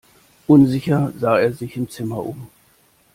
Unsicher sah er sich im Zimmer um.